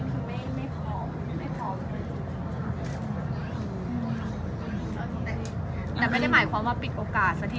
ตั้งแต่ในต่อไปทุกคนนะคะ